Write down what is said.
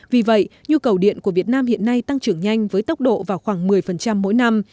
vì vậy nhu cầu điện của việt nam hiện nay tăng trưởng nhanh với tốc độ vào khoảng một mươi mỗi năm